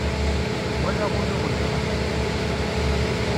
walaɣ unuɣ n tɣellaft